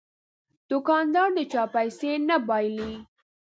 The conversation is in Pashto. دوکاندار د چا پیسې نه بایلي.